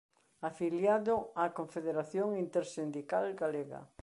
Afiliado á Confederación Intersindical Galega.